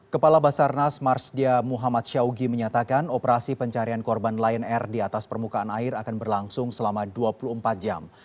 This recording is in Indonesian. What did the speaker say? kepala basarnas marsdia muhammad syawgi menyatakan operasi pencarian korban lion air di atas permukaan air akan berlangsung selama dua puluh empat jam